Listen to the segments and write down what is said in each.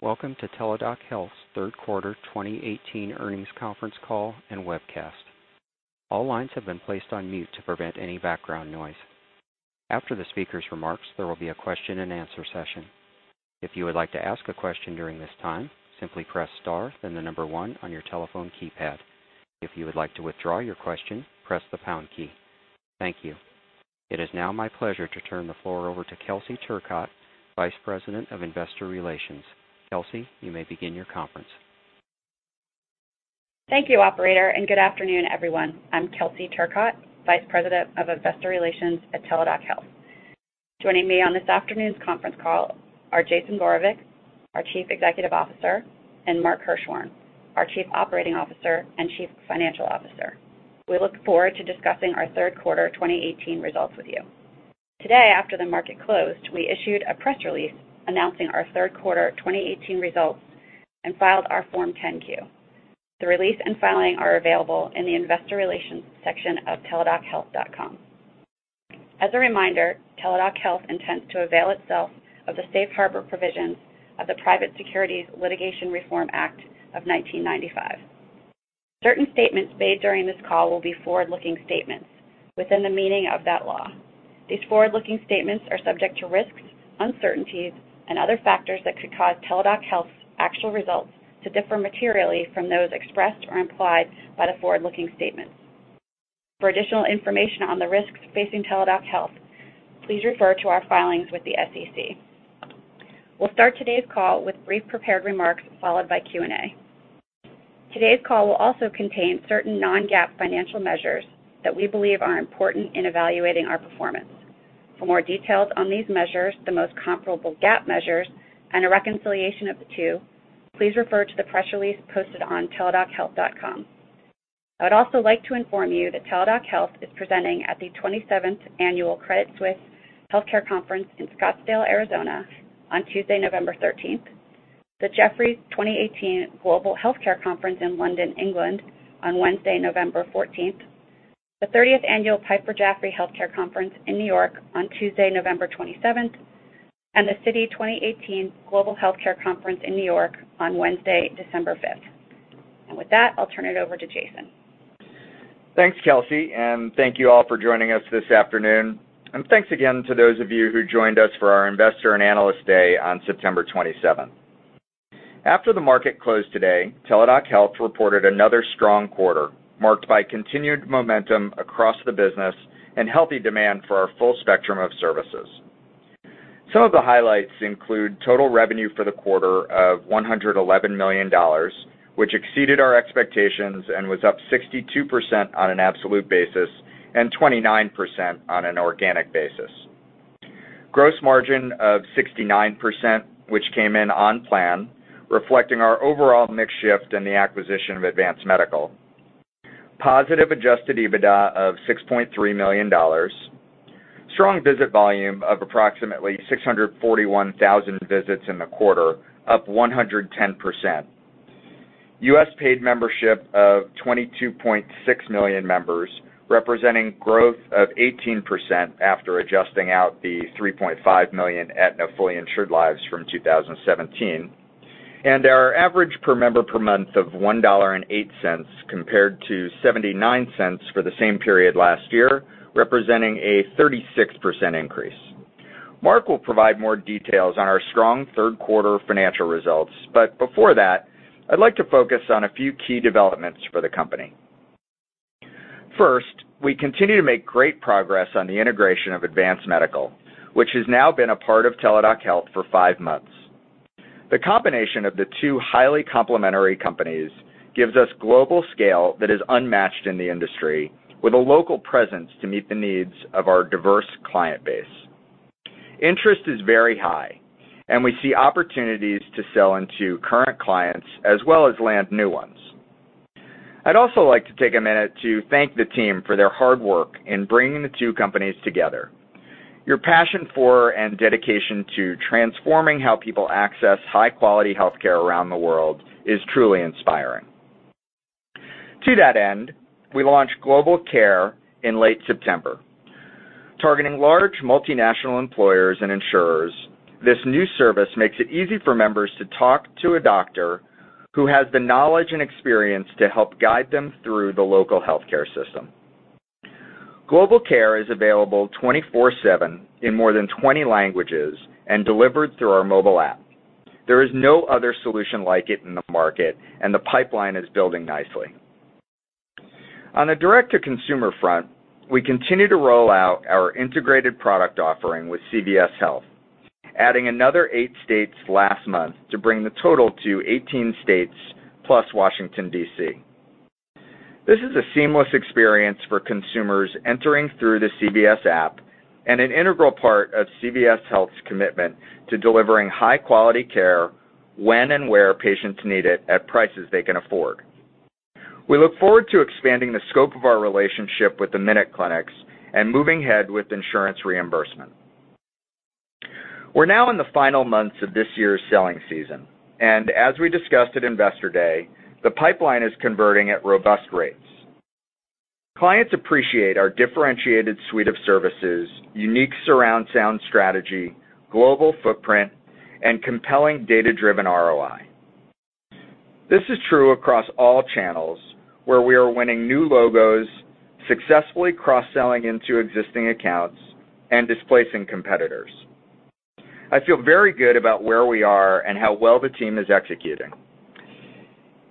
Welcome to Teladoc Health's third quarter 2018 earnings conference call and webcast. All lines have been placed on mute to prevent any background noise. After the speaker's remarks, there will be a question and answer session. If you would like to ask a question during this time, simply press star, then the number one on your telephone keypad. If you would like to withdraw your question, press the pound key. Thank you. It is now my pleasure to turn the floor over to Kelsey Turcotte, Vice President of Investor Relations. Kelsey, you may begin your conference. Thank you, operator, good afternoon, everyone. I'm Kelsey Turcotte, Vice President of Investor Relations at Teladoc Health. Joining me on this afternoon's conference call are Jason Gorevic, our Chief Executive Officer, and Mark Hirschhorn, our Chief Operating Officer and Chief Financial Officer. We look forward to discussing our third quarter 2018 results with you. Today, after the market closed, we issued a press release announcing our third quarter 2018 results and filed our Form 10-Q. The release and filing are available in the investor relations section of teladochealth.com. As a reminder, Teladoc Health intends to avail itself of the safe harbor provisions of the Private Securities Litigation Reform Act of 1995. Certain statements made during this call will be forward-looking statements within the meaning of that law. These forward-looking statements are subject to risks, uncertainties and other factors that could cause Teladoc Health's actual results to differ materially from those expressed or implied by the forward-looking statements. For additional information on the risks facing Teladoc Health, please refer to our filings with the SEC. We'll start today's call with brief prepared remarks, followed by Q&A. Today's call will also contain certain non-GAAP financial measures that we believe are important in evaluating our performance. For more details on these measures, the most comparable GAAP measures, and a reconciliation of the two, please refer to the press release posted on teladochealth.com. I would also like to inform you that Teladoc Health is presenting at the 27th Annual Credit Suisse Healthcare Conference in Scottsdale, Arizona on Tuesday, November 13th, the Jefferies 2018 Global Healthcare Conference in London, England on Wednesday, November 14th, the 30th Annual Piper Jaffray Healthcare Conference in New York on Tuesday, November 27th, the Citi 2018 Global Healthcare Conference in New York on Wednesday, December 5th. With that, I'll turn it over to Jason. Thanks, Kelsey, and thank you all for joining us this afternoon. Thanks again to those of you who joined us for our Investor and Analyst Day on September 27th. After the market closed today, Teladoc Health reported another strong quarter, marked by continued momentum across the business and healthy demand for our full spectrum of services. Some of the highlights include total revenue for the quarter of $111 million, which exceeded our expectations and was up 62% on an absolute basis and 29% on an organic basis. Gross margin of 69%, which came in on plan, reflecting our overall mix shift and the acquisition of Advance Medical. Positive adjusted EBITDA of $6.3 million. Strong visit volume of approximately 641,000 visits in the quarter, up 110%. U.S. paid membership of 22.6 million members, representing growth of 18% after adjusting out the 3.5 million Aetna fully insured lives from 2017. Our average per member per month of $1.08 compared to $0.79 for the same period last year, representing a 36% increase. Mark will provide more details on our strong third quarter financial results, but before that, I'd like to focus on a few key developments for the company. First, we continue to make great progress on the integration of Advance Medical, which has now been a part of Teladoc Health for five months. The combination of the two highly complementary companies gives us global scale that is unmatched in the industry, with a local presence to meet the needs of our diverse client base. Interest is very high, and we see opportunities to sell into current clients as well as land new ones. I'd also like to take a minute to thank the team for their hard work in bringing the two companies together. Your passion for and dedication to transforming how people access high-quality healthcare around the world is truly inspiring. To that end, we launched Global Care in late September. Targeting large multinational employers and insurers, this new service makes it easy for members to talk to a doctor who has the knowledge and experience to help guide them through the local healthcare system. Global Care is available 24/7 in more than 20 languages and delivered through our mobile app. There is no other solution like it in the market, and the pipeline is building nicely. On the direct-to-consumer front, we continue to roll out our integrated product offering with CVS Health, adding another eight states last month to bring the total to 18 states plus Washington, D.C. This is a seamless experience for consumers entering through the CVS app and an integral part of CVS Health's commitment to delivering high-quality care when and where patients need it at prices they can afford. We look forward to expanding the scope of our relationship with the MinuteClinics and moving ahead with insurance reimbursement. We are now in the final months of this year's selling season, and as we discussed at Investor Day, the pipeline is converting at robust rates. Clients appreciate our differentiated suite of services, unique surround sound strategy, global footprint, and compelling data-driven ROI. This is true across all channels where we are winning new logos, successfully cross-selling into existing accounts, and displacing competitors. I feel very good about where we are and how well the team is executing.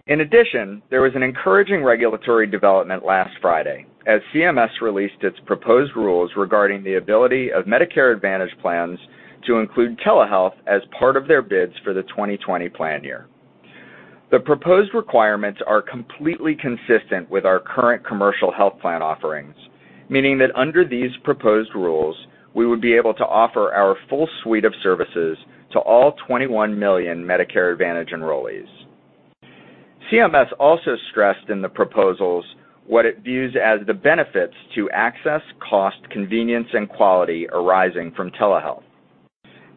In addition, there was an encouraging regulatory development last Friday as CMS released its proposed rules regarding the ability of Medicare Advantage plans to include telehealth as part of their bids for the 2020 plan year. The proposed requirements are completely consistent with our current commercial health plan offerings, meaning that under these proposed rules, we would be able to offer our full suite of services to all 21 million Medicare Advantage enrollees. CMS also stressed in the proposals what it views as the benefits to access, cost, convenience, and quality arising from telehealth.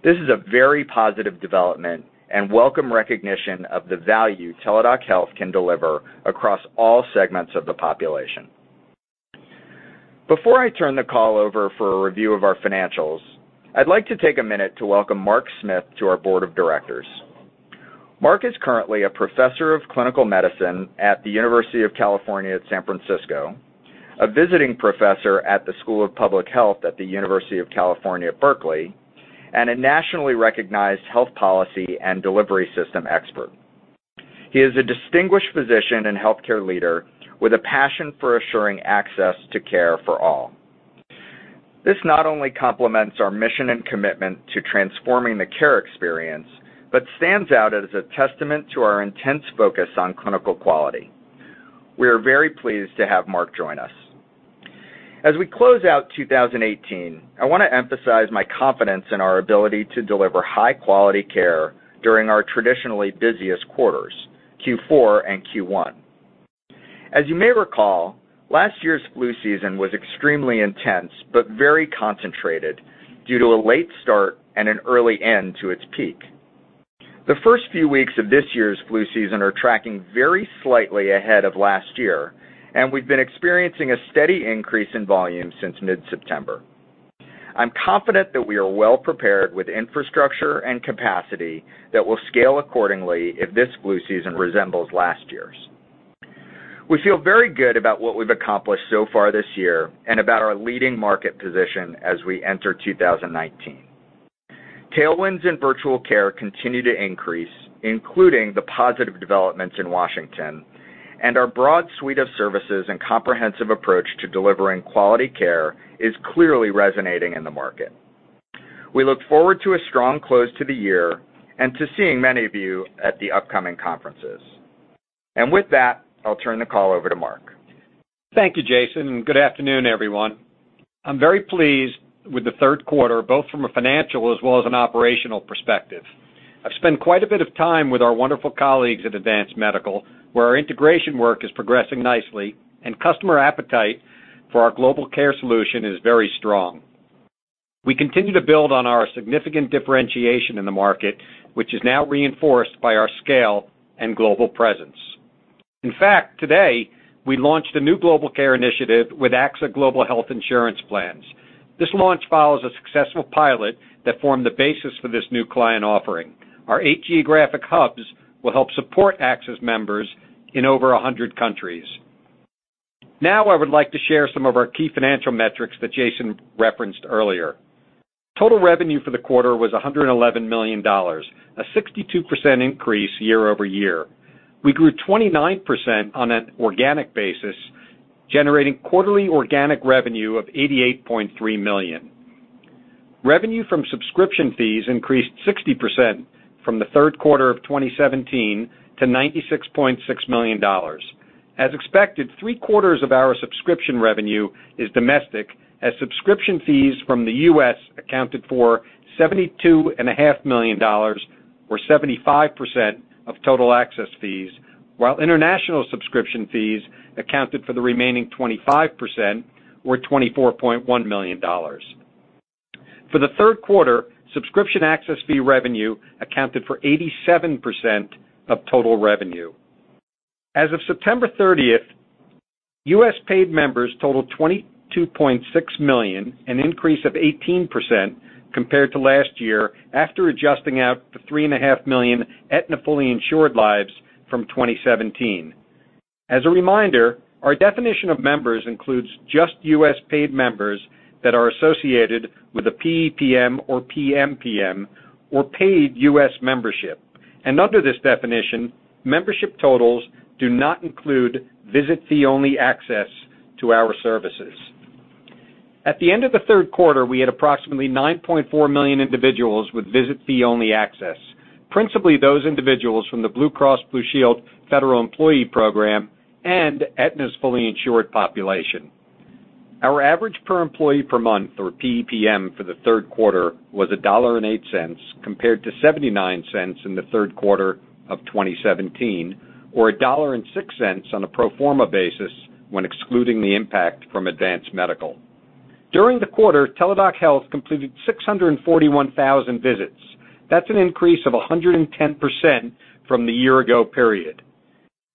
This is a very positive development and welcome recognition of the value Teladoc Health can deliver across all segments of the population. Before I turn the call over for a review of our financials, I'd like to take a minute to welcome Mark Smith to our board of directors. Mark is currently a professor of clinical medicine at the University of California, San Francisco, a visiting professor at the School of Public Health at the University of California, Berkeley, and a nationally recognized health policy and delivery system expert. He is a distinguished physician and healthcare leader with a passion for assuring access to care for all. This not only complements our mission and commitment to transforming the care experience, but stands out as a testament to our intense focus on clinical quality. We are very pleased to have Mark join us. As we close out 2018, I want to emphasize my confidence in our ability to deliver high-quality care during our traditionally busiest quarters, Q4 and Q1. As you may recall, last year's flu season was extremely intense but very concentrated due to a late start and an early end to its peak. The first few weeks of this year's flu season are tracking very slightly ahead of last year. We've been experiencing a steady increase in volume since mid-September. I'm confident that we are well prepared with infrastructure and capacity that will scale accordingly if this flu season resembles last year's. We feel very good about what we've accomplished so far this year and about our leading market position as we enter 2019. Tailwinds in virtual care continue to increase, including the positive developments in Washington. Our broad suite of services and comprehensive approach to delivering quality care is clearly resonating in the market. We look forward to a strong close to the year and to seeing many of you at the upcoming conferences. With that, I'll turn the call over to Mark. Thank you, Jason. Good afternoon, everyone. I'm very pleased with the third quarter, both from a financial as well as an operational perspective. I've spent quite a bit of time with our wonderful colleagues at Advance Medical, where our integration work is progressing nicely and customer appetite for our global care solution is very strong. We continue to build on our significant differentiation in the market, which is now reinforced by our scale and global presence. In fact, today, we launched a new global care initiative with AXA Global Healthcare. This launch follows a successful pilot that formed the basis for this new client offering. Our eight geographic hubs will help support AXA's members in over 100 countries. I would like to share some of our key financial metrics that Jason referenced earlier. Total revenue for the quarter was $111 million, a 62% increase year-over-year. We grew 29% on an organic basis, generating quarterly organic revenue of $88.3 million. Revenue from subscription fees increased 60% from the third quarter of 2017 to $96.6 million. As expected, three-quarters of our subscription revenue is domestic, as subscription fees from the U.S. accounted for $72.5 million, or 75% of total access fees, while international subscription fees accounted for the remaining 25%, or $24.1 million. For the third quarter, subscription access fee revenue accounted for 87% of total revenue. As of September 30th, U.S. paid members totaled 22.6 million, an increase of 18% compared to last year after adjusting out the 3.5 million Aetna fully insured lives from 2017. As a reminder, our definition of members includes just U.S. paid members that are associated with a PEPM or PMPM or paid U.S. membership. Under this definition, membership totals do not include visit fee-only access to our services. At the end of the third quarter, we had approximately 9.4 million individuals with visit fee-only access, principally those individuals from the Blue Cross Blue Shield federal employee program and Aetna's fully insured population. Our average per employee per month, or PEPM, for the third quarter was $1.08 compared to $0.79 in the third quarter of 2017, or $1.06 on a pro forma basis when excluding the impact from Advance Medical. During the quarter, Teladoc Health completed 641,000 visits. That's an increase of 110% from the year ago period.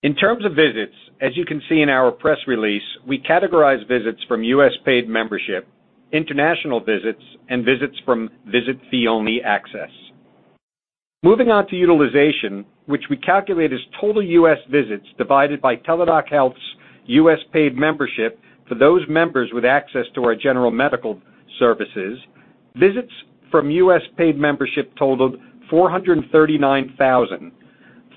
In terms of visits, as you can see in our press release, we categorize visits from U.S. paid membership, international visits, and visits from visit fee-only access. Moving on to utilization, which we calculate as total U.S. visits divided by Teladoc Health's U.S. paid membership for those members with access to our general medical services, visits from U.S. paid membership totaled 439,000.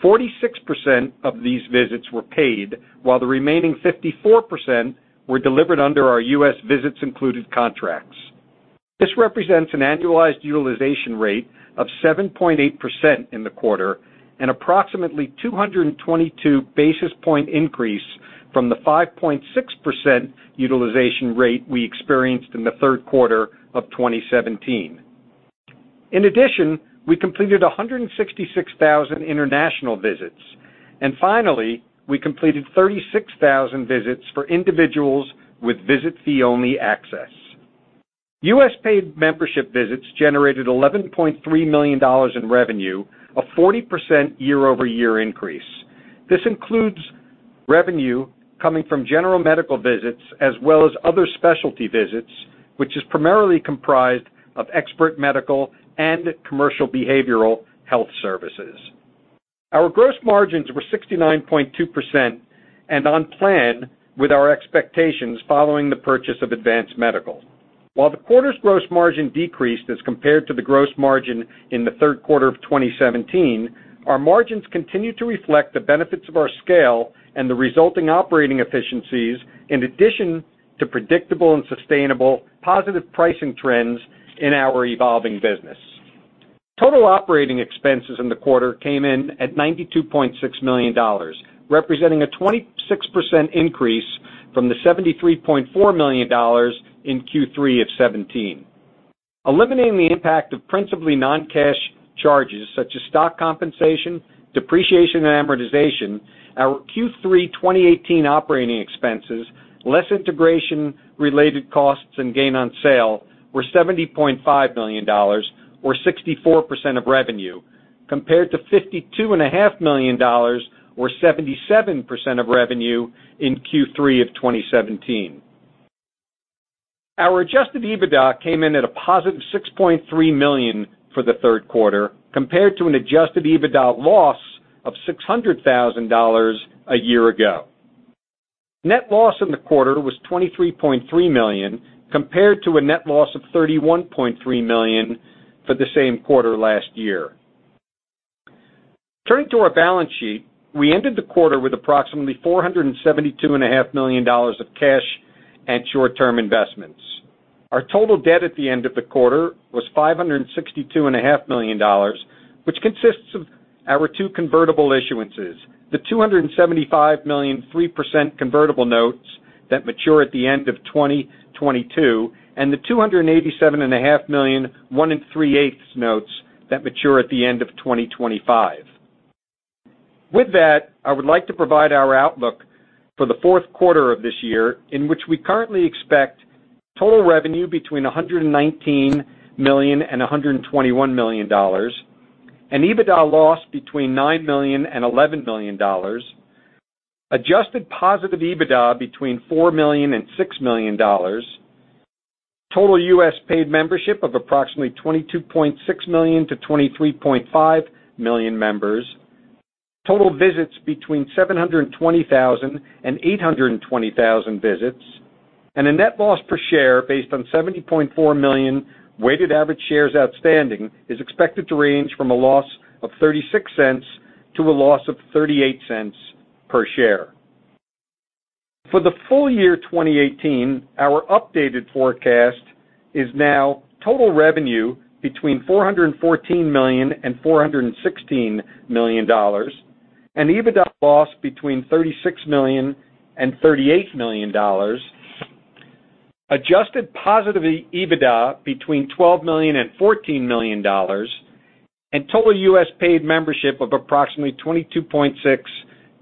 Forty-six percent of these visits were paid, while the remaining 54% were delivered under our U.S. visits included contracts. This represents an annualized utilization rate of 7.8% in the quarter and approximately 222 basis point increase from the 5.6% utilization rate we experienced in the third quarter of 2017. In addition, we completed 166,000 international visits. Finally, we completed 36,000 visits for individuals with visit fee-only access. U.S. paid membership visits generated $11.3 million in revenue, a 40% year-over-year increase. This includes revenue coming from general medical visits as well as other specialty visits, which is primarily comprised of expert medical and commercial behavioral health services. Our gross margins were 69.2% and on plan with our expectations following the purchase of Advance Medical. While the quarter's gross margin decreased as compared to the gross margin in the third quarter of 2017, our margins continue to reflect the benefits of our scale and the resulting operating efficiencies, in addition to predictable and sustainable positive pricing trends in our evolving business. Total operating expenses in the quarter came in at $92.6 million, representing a 26% increase from the $73.4 million in Q3 of 2017. Eliminating the impact of principally non-cash charges such as stock compensation, depreciation, and amortization, our Q3 2018 operating expenses, less integration related costs and gain on sale, were $70.5 million, or 64% of revenue, compared to $52.5 million, or 77% of revenue in Q3 of 2017. Our adjusted EBITDA came in at a positive $6.3 million for the third quarter, compared to an adjusted EBITDA loss of $600,000 a year ago. Net loss in the quarter was $23.3 million, compared to a net loss of $31.3 million for the same quarter last year. Turning to our balance sheet, we ended the quarter with approximately $472.5 million of cash and short-term investments. Our total debt at the end of the quarter was $562.5 million, which consists of our two convertible issuances, the $275 million 3% convertible notes that mature at the end of 2022 and the $287.5 million one-and-three-eighths notes that mature at the end of 2025. With that, I would like to provide our outlook for the fourth quarter of this year, in which we currently expect total revenue between $119 million and $121 million, an EBITDA loss between $9 million and $11 million, adjusted positive EBITDA between $4 million and $6 million, total U.S. paid membership of approximately 22.6 million to 23.5 million members, total visits between 720,000 and 820,000 visits, and a net loss per share based on 70.4 million weighted average shares outstanding is expected to range from a loss of $0.36 to a loss of $0.38 per share. For the full year 2018, our updated forecast is now total revenue between $414 million and $416 million, an EBITDA loss between $36 million and $38 million, adjusted positive EBITDA between $12 million and $14 million, and total U.S. paid membership of approximately 22.6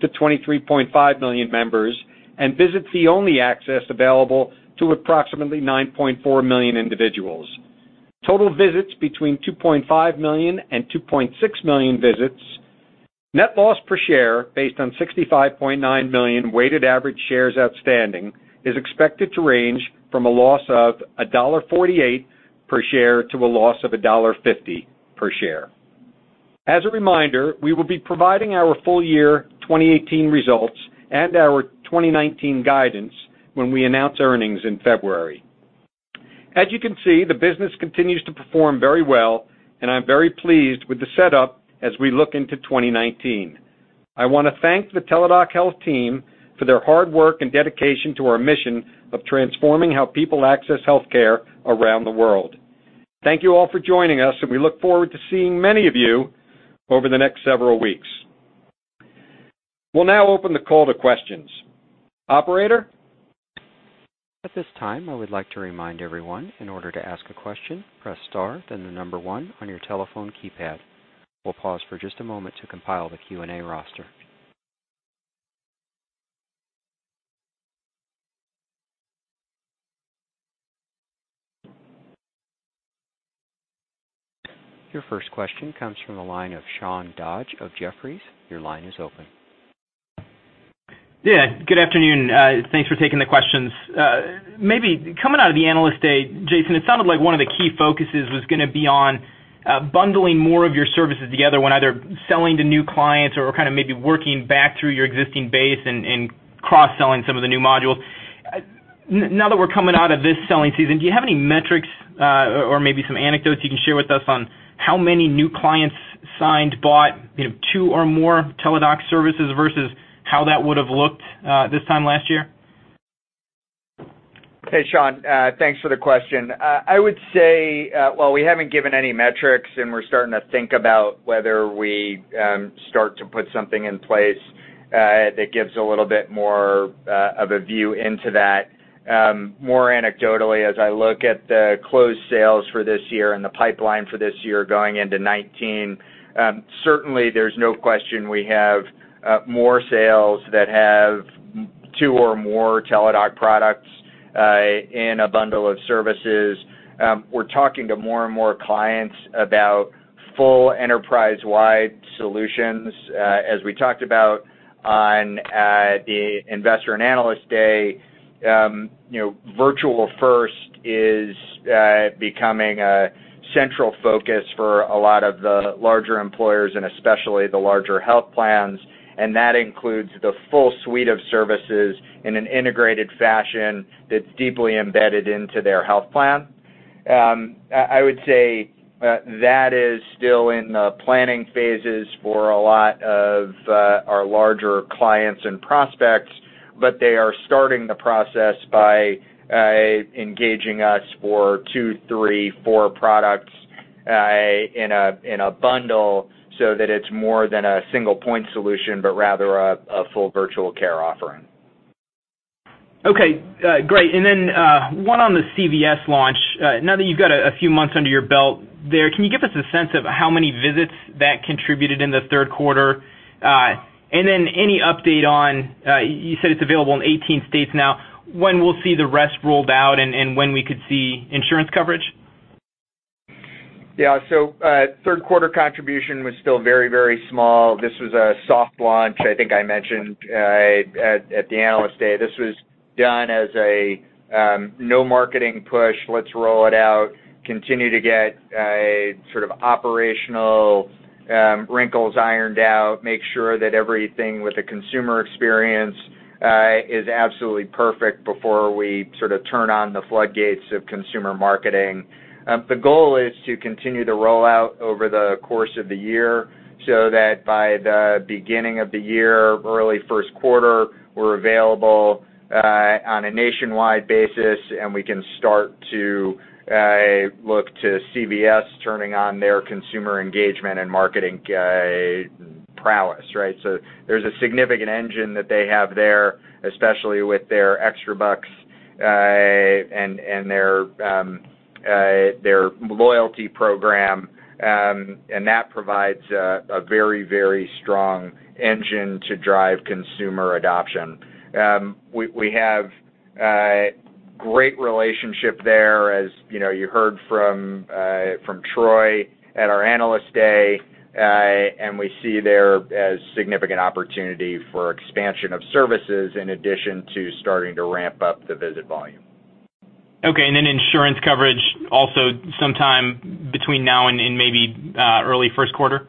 to 23.5 million members, and visit fee-only access available to approximately 9.4 million individuals. Total visits between 2.5 million and 2.6 million visits. Net loss per share based on 65.9 million weighted average shares outstanding is expected to range from a loss of $1.48 per share to a loss of $1.50 per share. As a reminder, we will be providing our full year 2018 results and our 2019 guidance when we announce earnings in February. As you can see, the business continues to perform very well, and I'm very pleased with the setup as we look into 2019. I want to thank the Teladoc Health team for their hard work and dedication to our mission of transforming how people access healthcare around the world. Thank you all for joining us, and we look forward to seeing many of you over the next several weeks. We'll now open the call to questions. Operator? At this time, I would like to remind everyone, in order to ask a question, press star then the number 1 on your telephone keypad. We'll pause for just a moment to compile the Q&A roster. Your first question comes from the line of Sean Dodge of Jefferies. Your line is open. Yeah. Good afternoon. Thanks for taking the questions. Maybe coming out of the Analyst Day, Jason, it sounded like one of the key focuses was going to be on bundling more of your services together when either selling to new clients or maybe working back through your existing base and cross-selling some of the new modules. Now that we're coming out of this selling season, do you have any metrics or maybe some anecdotes you can share with us on how many new clients signed, bought two or more Teladoc services versus how that would have looked this time last year? Hey, Sean. Thanks for the question. I would say, well, we haven't given any metrics, and we're starting to think about whether we start to put something in place that gives a little bit more of a view into that. More anecdotally, as I look at the closed sales for this year and the pipeline for this year going into 2019, certainly, there's no question we have more sales that have two or more Teladoc products in a bundle of services. We're talking to more and more clients about full enterprise-wide solutions. As we talked about on the Investor and Analyst Day, virtual first is becoming a central focus for a lot of the larger employers and especially the larger health plans. That includes the full suite of services in an integrated fashion that's deeply embedded into their health plan. I would say that is still in the planning phases for a lot of our larger clients and prospects, but they are starting the process by engaging us for two, three, four products in a bundle so that it's more than a single-point solution, but rather a full virtual care offering. Okay. Great. One on the CVS launch. Now that you've got a few months under your belt there, can you give us a sense of how many visits that contributed in the third quarter? Any update on, you said it's available in 18 states now, when we'll see the rest rolled out and when we could see insurance coverage? Yeah. Third quarter contribution was still very, very small. This was a soft launch, I think I mentioned at the Analyst Day. This was done as a no marketing push, let's roll it out, continue to get operational wrinkles ironed out, make sure that everything with the consumer experience is absolutely perfect before we turn on the floodgates of consumer marketing. The goal is to continue to roll out over the course of the year, so that by the beginning of the year, early first quarter, we're available on a nationwide basis, and we can start to look to CVS turning on their consumer engagement and marketing prowess, right? There's a significant engine that they have there, especially with their ExtraBucks and their loyalty program, and that provides a very, very strong engine to drive consumer adoption. We have a great relationship there, as you heard from Troy at our Analyst Day. We see there as significant opportunity for expansion of services in addition to starting to ramp up the visit volume. Okay, insurance coverage also sometime between now and maybe early first quarter?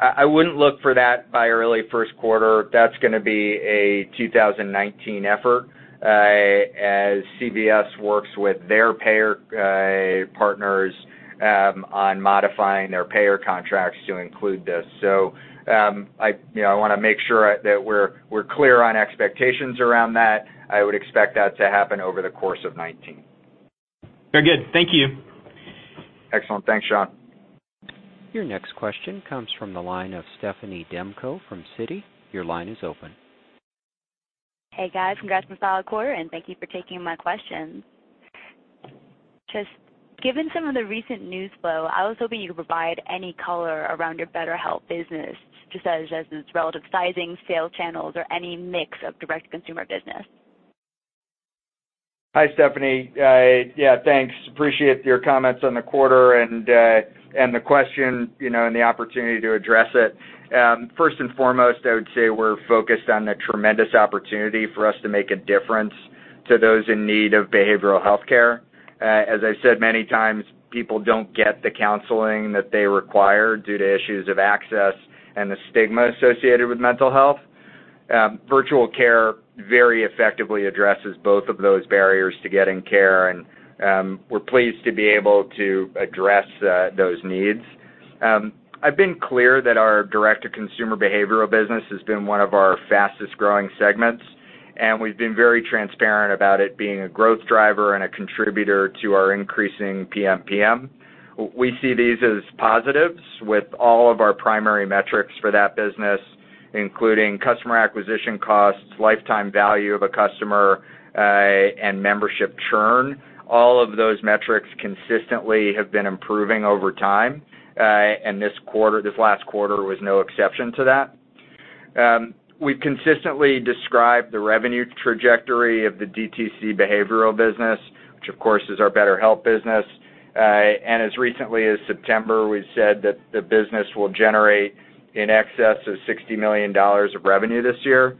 I wouldn't look for that by early first quarter. That's going to be a 2019 effort as CVS works with their payer partners on modifying their payer contracts to include this. I want to make sure that we're clear on expectations around that. I would expect that to happen over the course of 2019. Very good. Thank you. Excellent. Thanks, Sean. Your next question comes from the line of Stephanie Demko from Citi. Your line is open. Hey, guys. Congrats on a solid quarter. Thank you for taking my questions. Just given some of the recent news flow, I was hoping you could provide any color around your BetterHelp business, just as its relative sizing, sales channels, or any mix of direct-to-consumer business. Hi, Stephanie. Yeah, thanks. Appreciate your comments on the quarter and the question and the opportunity to address it. First and foremost, I would say we're focused on the tremendous opportunity for us to make a difference to those in need of behavioral healthcare. As I said many times, people don't get the counseling that they require due to issues of access and the stigma associated with mental health. Virtual care very effectively addresses both of those barriers to getting care, and we're pleased to be able to address those needs. I've been clear that our direct-to-consumer behavioral business has been one of our fastest-growing segments, and we've been very transparent about it being a growth driver and a contributor to our increasing PMPM. We see these as positives with all of our primary metrics for that business, including customer acquisition costs, lifetime value of a customer, and membership churn. All of those metrics consistently have been improving over time. This last quarter was no exception to that. We've consistently described the revenue trajectory of the DTC behavioral business, which, of course, is our BetterHelp business. As recently as September, we said that the business will generate in excess of $60 million of revenue this year.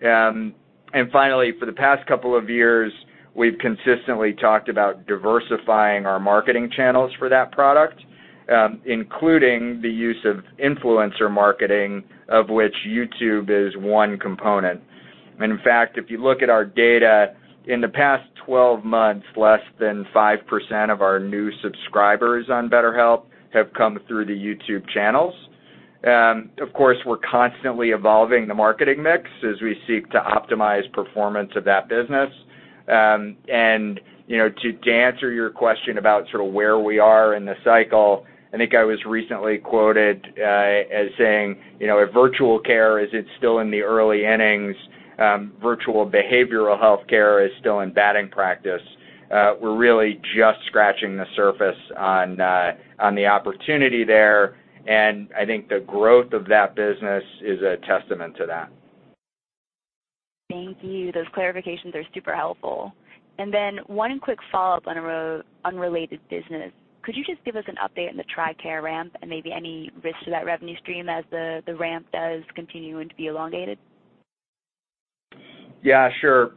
Finally, for the past couple of years, we've consistently talked about diversifying our marketing channels for that product, including the use of influencer marketing, of which YouTube is one component. In fact, if you look at our data, in the past 12 months, less than 5% of our new subscribers on BetterHelp have come through the YouTube channels. Of course, we're constantly evolving the marketing mix as we seek to optimize performance of that business. To answer your question about sort of where we are in the cycle, I think I was recently quoted as saying, "If virtual care is still in the early innings, virtual behavioral healthcare is still in batting practice." We're really just scratching the surface on the opportunity there, and I think the growth of that business is a testament to that. Thank you. Those clarifications are super helpful. One quick follow-up on a unrelated business. Could you just give us an update on the TRICARE ramp and maybe any risk to that revenue stream as the ramp does continue to be elongated? Yeah, sure.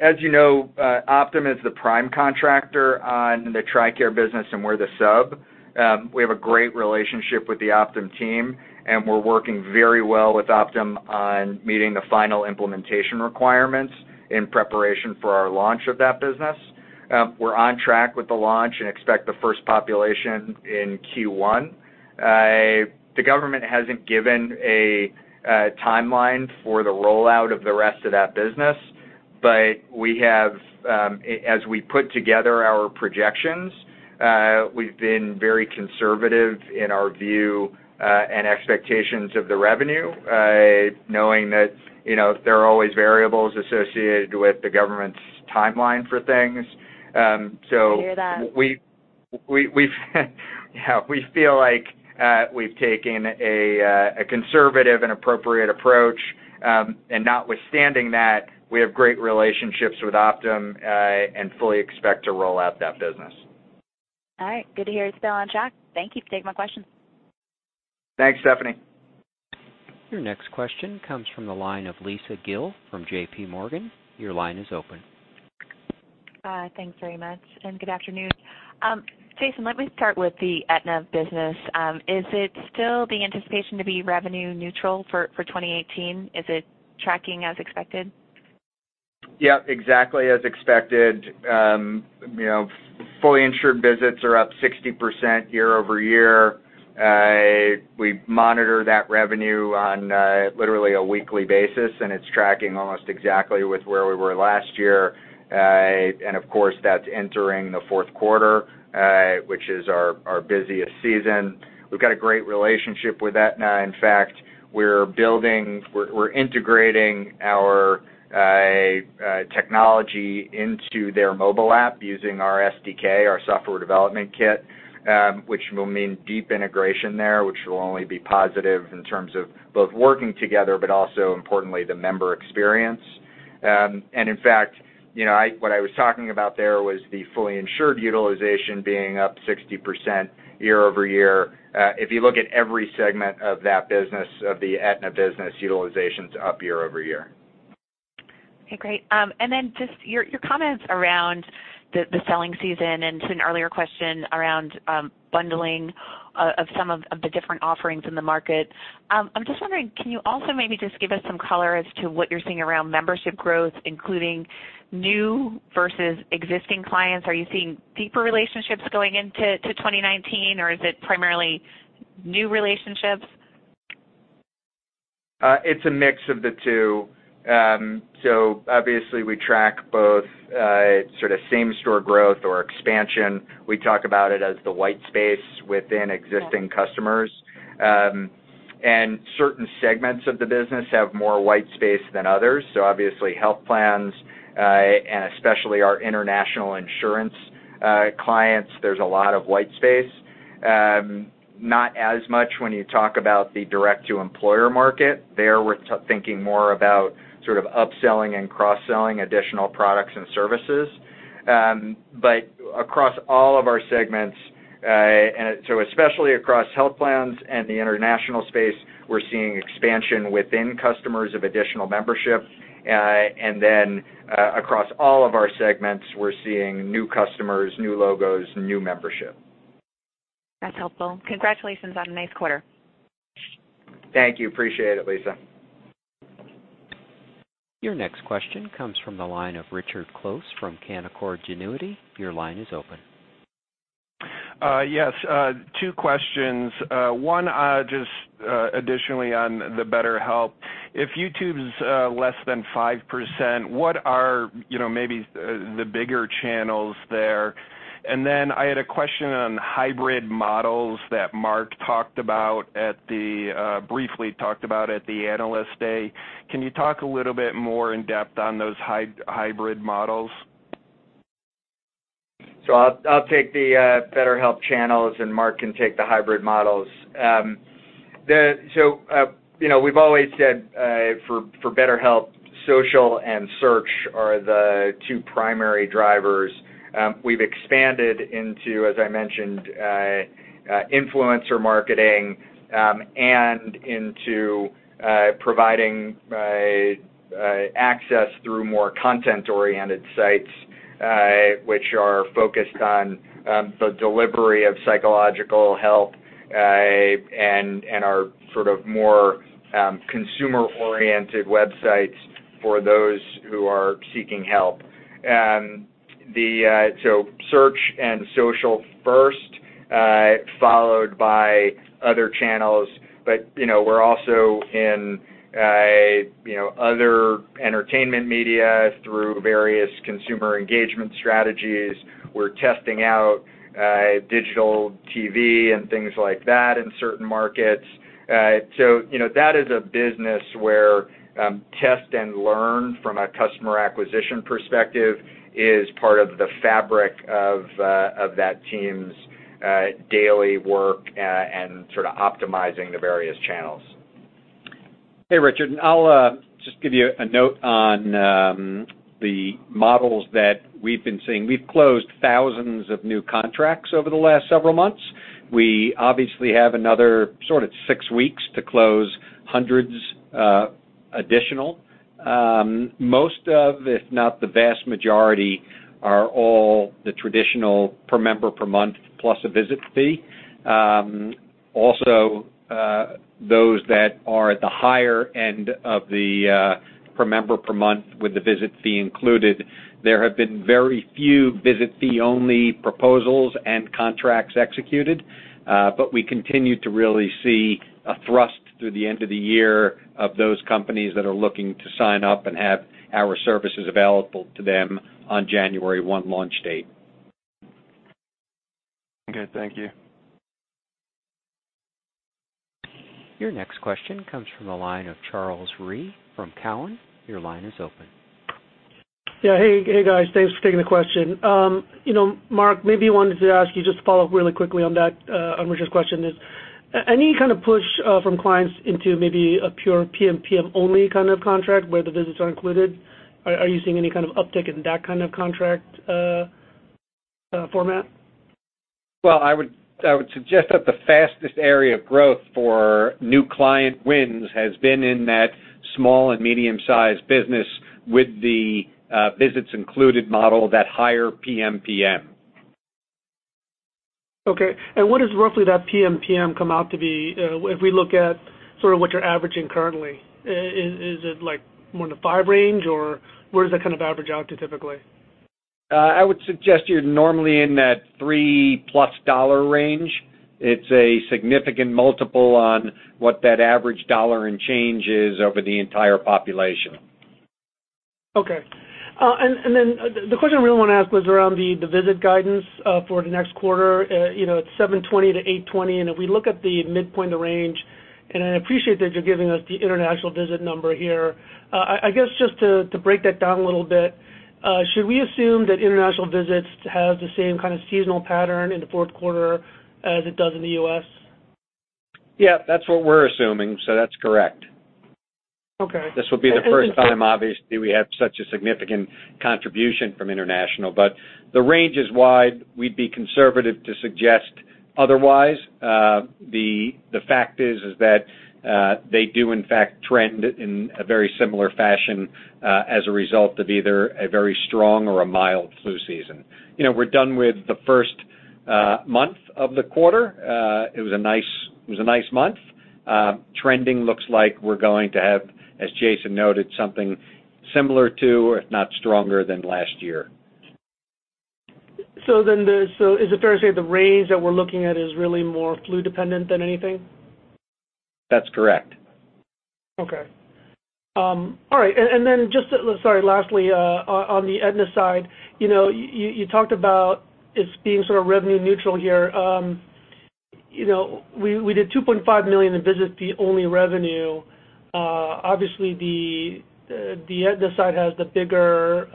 As you know, Optum is the prime contractor on the TRICARE business, and we're the sub. We have a great relationship with the Optum team, and we're working very well with Optum on meeting the final implementation requirements in preparation for our launch of that business. We're on track with the launch and expect the first population in Q1. The government hasn't given a timeline for the rollout of the rest of that business. As we put together our projections, we've been very conservative in our view, and expectations of the revenue, knowing that there are always variables associated with the government's timeline for things. I hear that. Yeah. We feel like we've taken a conservative and appropriate approach. Notwithstanding that, we have great relationships with Optum, and fully expect to roll out that business. All right. Good to hear it's still on track. Thank you for taking my question. Thanks, Stephanie. Your next question comes from the line of Lisa Gill from J.P. Morgan. Your line is open. Thanks very much. Good afternoon. Jason, let me start with the Aetna business. Is it still the anticipation to be revenue neutral for 2018? Is it tracking as expected? Yep, exactly as expected. Fully insured visits are up 60% year-over-year. We monitor that revenue on literally a weekly basis, and it's tracking almost exactly with where we were last year. Of course, that's entering the fourth quarter, which is our busiest season. We've got a great relationship with Aetna. In fact, we're integrating our technology into their mobile app using our SDK, our software development kit, which will mean deep integration there, which will only be positive in terms of both working together, but also importantly, the member experience. In fact, what I was talking about there was the fully insured utilization being up 60% year-over-year. If you look at every segment of that business, of the Aetna business, utilization's up year-over-year. Okay, great. Then just your comments around the selling season and to an earlier question around bundling of some of the different offerings in the market. I'm just wondering, can you also maybe just give us some color as to what you're seeing around membership growth, including new versus existing clients? Are you seeing deeper relationships going into 2019, or is it primarily new relationships? It's a mix of the two. Obviously, we track both sort of same-store growth or expansion. We talk about it as the white space within existing customers. Certain segments of the business have more white space than others. Obviously, health plans, and especially our international insurance clients, there's a lot of white space. Not as much when you talk about the direct-to-employer market. There, we're thinking more about sort of upselling and cross-selling additional products and services. Across all of our segments, especially across health plans and the international space, we're seeing expansion within customers of additional membership. Then, across all of our segments, we're seeing new customers, new logos, new membership. That's helpful. Congratulations on a nice quarter. Thank you. Appreciate it, Lisa. Your next question comes from the line of Richard Close from Canaccord Genuity. Your line is open. Yes. 2 questions. 1, just additionally on the BetterHelp. If YouTube's less than 5%, what are maybe the bigger channels there? I had a question on hybrid models that Mark briefly talked about at the Analyst Day. Can you talk a little bit more in depth on those hybrid models? I'll take the BetterHelp channels, and Mark can take the hybrid models. We've always said for BetterHelp, social and search are the 2 primary drivers. We've expanded into, as I mentioned, influencer marketing, and into providing access through more content-oriented sites, which are focused on the delivery of psychological help, and are more consumer-oriented websites for those who are seeking help. Search and social first, followed by other channels. We're also in other entertainment media through various consumer engagement strategies. We're testing out digital TV and things like that in certain markets. That is a business where test and learn from a customer acquisition perspective is part of the fabric of that team's daily work and sort of optimizing the various channels. Hey, Richard, I'll just give you a note on the models that we've been seeing. We've closed thousands of new contracts over the last several months. We obviously have another sort of 6 weeks to close hundreds additional. Most of, if not the vast majority, are all the traditional per member per month plus a visit fee. Also, those that are at the higher end of the per member per month with the visit fee included. There have been very few visit fee-only proposals and contracts executed. We continue to really see a thrust through the end of the year of those companies that are looking to sign up and have our services available to them on January 1 launch date. Okay. Thank you. Your next question comes from the line of Charles Rhyee from Cowen. Your line is open. Yeah. Hey, guys. Thanks for taking the question. Mark, maybe wanted to ask you just to follow up really quickly on that, on Richard's question is, any kind of push from clients into maybe a pure PMPM only kind of contract where the visits are included? Are you seeing any kind of uptick in that kind of contract format? Well, I would suggest that the fastest area of growth for new client wins has been in that small and medium-sized business with the visits included model, that higher PMPM. Okay. What does roughly that PMPM come out to be if we look at sort of what you're averaging currently? Is it like more in the five range, or where does that kind of average out to typically? I would suggest you're normally in that $3-plus dollar range. It's a significant multiple on what that average dollar and change is over the entire population. Okay. The question I really want to ask was around the visit guidance for the next quarter. It's 720-820, and if we look at the midpoint of range, and I appreciate that you're giving us the international visit number here. I guess, just to break that down a little bit, should we assume that international visits have the same kind of seasonal pattern in the fourth quarter as it does in the U.S.? Yeah, that's what we're assuming, that's correct. Okay. This will be the first time, obviously, we have such a significant contribution from international. The range is wide. We'd be conservative to suggest otherwise. The fact is that they do in fact trend in a very similar fashion as a result of either a very strong or a mild flu season. We're done with the first month of the quarter. It was a nice month. Trending looks like we're going to have, as Jason noted, something similar to, if not stronger than last year. Is it fair to say the range that we're looking at is really more flu dependent than anything? That's correct. Okay. All right. Then just, sorry, lastly, on the Aetna side. You talked about it being sort of revenue neutral here. We did $2.5 million in visit fee-only revenue. Obviously, the Aetna side has the bigger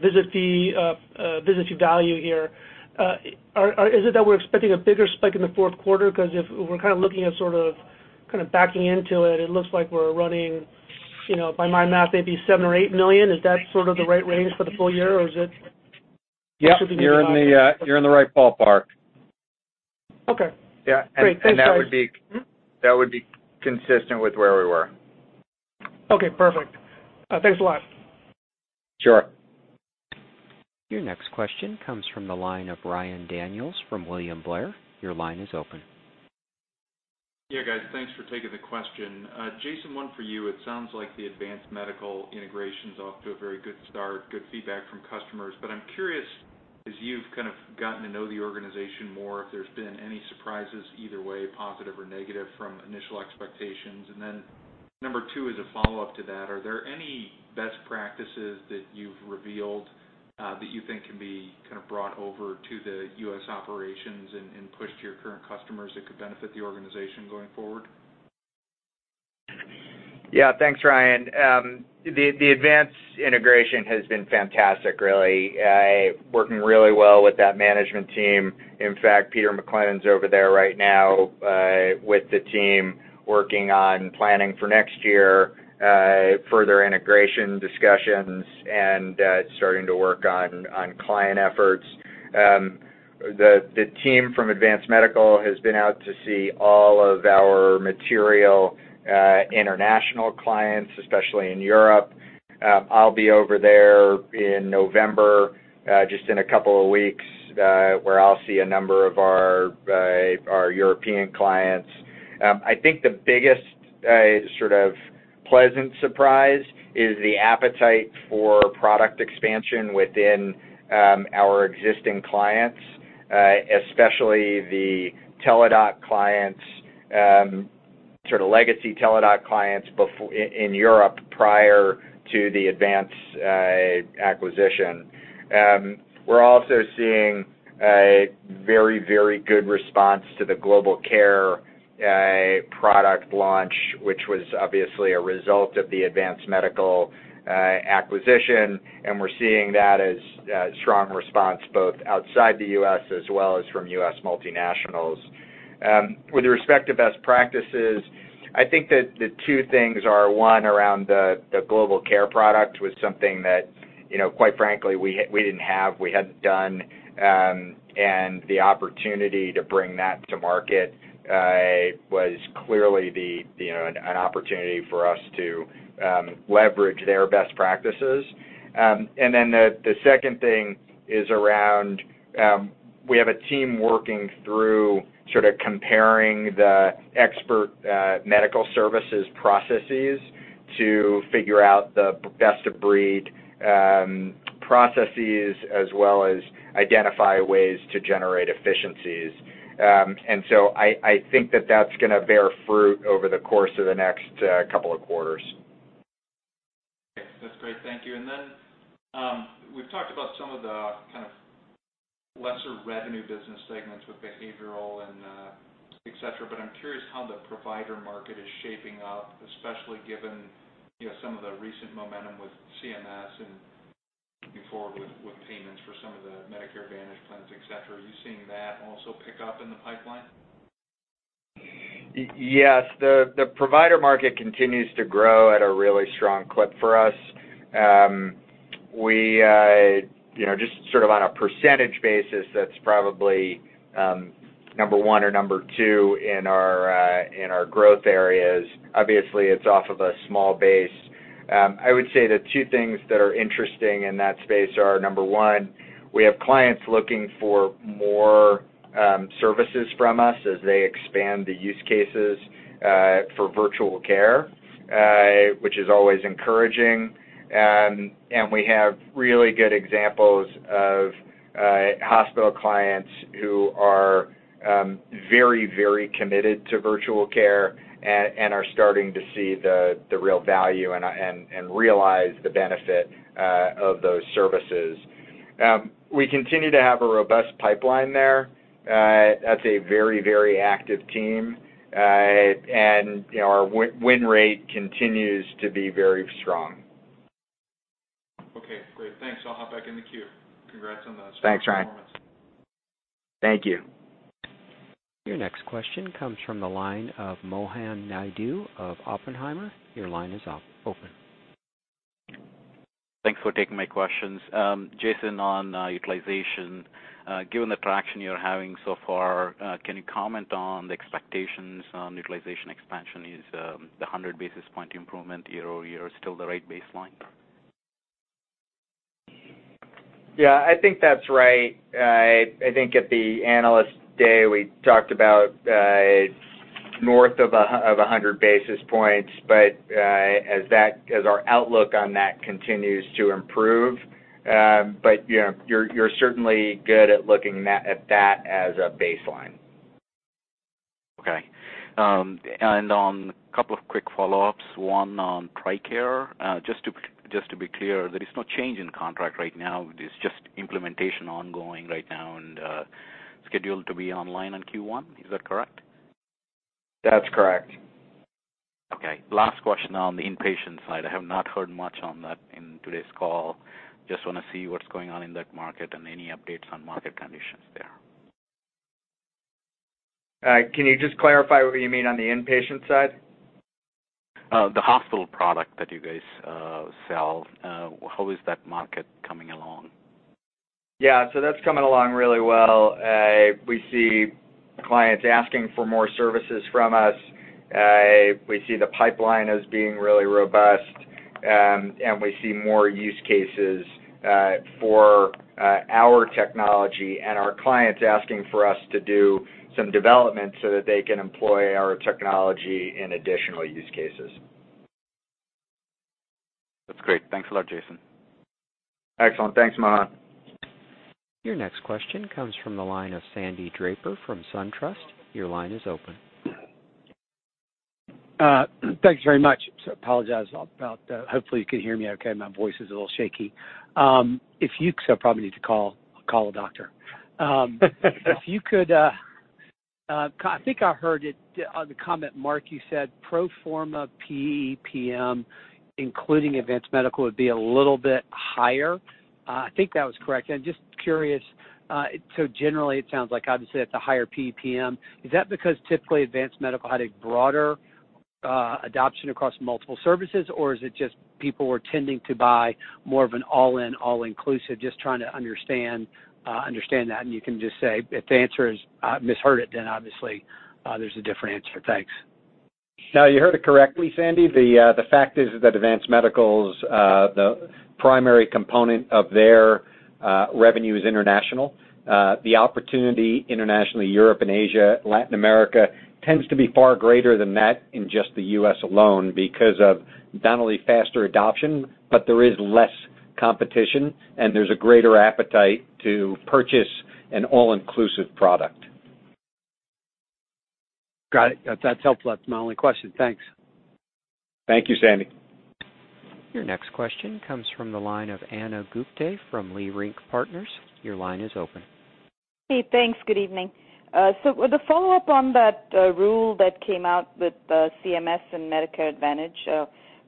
visit fee value here. Is it that we're expecting a bigger spike in the fourth quarter? Because if we're kind of looking at sort of backing into it looks like we're running, by my math, maybe $7 million-$8 million. Is that sort of the right range for the full year, or is it? Yep. You're in the right ballpark. Okay. Yeah. Great. Thanks, guys. That would be consistent with where we were. Okay, perfect. Thanks a lot. Sure. Your next question comes from the line of Ryan Daniels from William Blair. Your line is open. Yeah, guys, thanks for taking the question. Jason, one for you. It sounds like the Advance Medical integration's off to a very good start, good feedback from customers. I'm curious, as you've kind of gotten to know the organization more, if there's been any surprises either way, positive or negative, from initial expectations. Number 2 is a follow-up to that. Are there any best practices that you've revealed that you think can be kind of brought over to the U.S. operations and pushed to your current customers that could benefit the organization going forward? Yeah. Thanks, Ryan. The Advance Medical integration has been fantastic, really. Working really well with that management team. In fact, Peter MacLennan's over there right now, with the team, working on planning for next year, further integration discussions, and starting to work on client efforts. The team from Advance Medical has been out to see all of our material, international clients, especially in Europe. I'll be over there in November, just in a couple of weeks, where I'll see a number of our European clients. I think the biggest sort of pleasant surprise is the appetite for product expansion within our existing clients, especially the legacy Teladoc clients in Europe prior to the Advance Medical acquisition. We're also seeing a very good response to the Global Care product launch, which was obviously a result of the Advance Medical acquisition. We're seeing that as a strong response both outside the U.S. as well as from U.S. multinationals. With respect to best practices, I think that the two things are, one, around the Global Care product, was something that, quite frankly, we didn't have, we hadn't done, and the opportunity to bring that to market was clearly an opportunity for us to leverage their best practices. The second thing is around, we have a team working through sort of comparing the expert medical services processes to figure out the best-of-breed processes as well as identify ways to generate efficiencies. I think that that's going to bear fruit over the course of the next couple of quarters. Okay. That's great. Thank you. We've talked about some of the kind of lesser revenue business segments with behavioral and et cetera, but I'm curious how the provider market is shaping up, especially given some of the recent momentum with CMS and moving forward with payments for some of the Medicare Advantage plans, et cetera. Are you seeing that also pick up in the pipeline? Yes. The provider market continues to grow at a really strong clip for us. Just sort of on a percentage basis, that's probably number 1 or number 2 in our growth areas. Obviously, it's off of a small base. I would say the two things that are interesting in that space are, number 1, we have clients looking for more services from us as they expand the use cases, for virtual care, which is always encouraging. We have really good examples of hospital clients who are very committed to virtual care and are starting to see the real value and realize the benefit of those services. We continue to have a robust pipeline there. That's a very active team. Our win rate continues to be very strong. Okay, great. Thanks. I'll hop back in the queue. Congrats on the strong performance. Thanks, Ryan. Thank you. Your next question comes from the line of Mohan Naidu of Oppenheimer. Your line is open. Thanks for taking my questions. Jason, on utilization, given the traction you're having so far, can you comment on the expectations on utilization expansion? Is the 100 basis point improvement year-over-year still the right baseline? Yeah, I think that's right. I think at the Analyst Day, we talked about north of 100 basis points. As our outlook on that continues to improve. You're certainly good at looking at that as a baseline. Okay. On a couple of quick follow-ups, one on TRICARE. Just to be clear, there is no change in contract right now. It is just implementation ongoing right now and scheduled to be online in Q1. Is that correct? That's correct. Okay. Last question on the inpatient side. I have not heard much on that in today's call. Just want to see what's going on in that market and any updates on market conditions there. Can you just clarify what you mean on the inpatient side? The hospital product that you guys sell, how is that market coming along? Yeah. That's coming along really well. We see clients asking for more services from us. We see the pipeline as being really robust, and we see more use cases for our technology and our clients asking for us to do some development so that they can employ our technology in additional use cases. That's great. Thanks a lot, Jason. Excellent. Thanks, Mohan. Your next question comes from the line of Sandy Draper from SunTrust. Your line is open. Thank you very much. Apologize about that. Hopefully, you can hear me okay. My voice is a little shaky. I probably need to call a doctor. I think I heard it on the comment, Mark, you said pro forma PEPM, including Advance Medical, would be a little bit higher. I think that was correct. Just curious, generally it sounds like obviously that's a higher PEPM. Is that because typically Advance Medical had a broader adoption across multiple services, or is it just people were tending to buy more of an all-in, all-inclusive? Just trying to understand that. You can just say, if the answer is I misheard it, then obviously there's a different answer. Thanks. No, you heard it correctly, Sandy. The fact is that Advance Medical's primary component of their revenue is international. The opportunity internationally, Europe and Asia, Latin America, tends to be far greater than that in just the U.S. alone because of not only faster adoption, there is less competition and there's a greater appetite to purchase an all-inclusive product. Got it. That's helpful. That's my only question. Thanks. Thank you, Sandy. Your next question comes from the line of Ana Gupte from Leerink Partners. Your line is open. Hey, thanks. Good evening. The follow-up on that rule that came out with CMS and Medicare Advantage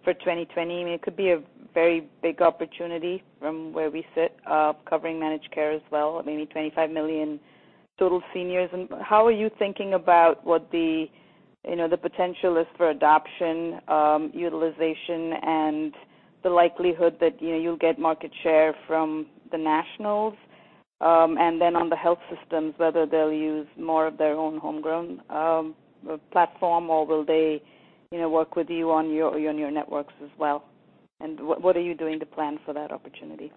for 2020, it could be a very big opportunity from where we sit, covering managed care as well, maybe 25 million total seniors. How are you thinking about what the potential is for adoption, utilization, and the likelihood that you'll get market share from the nationals? On the health systems, whether they'll use more of their own homegrown platform, or will they work with you on your networks as well? What are you doing to plan for that opportunity?